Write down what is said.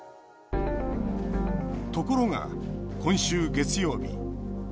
ところが、今週月曜日